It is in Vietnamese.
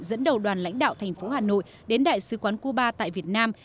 dẫn đầu đoàn lãnh đạo thành phố hà nội đến đại sứ quán cuba tại việt nam